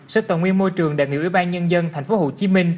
sở tài nguyên môi trường đại nghiệp ủy ban nhân dân tp hcm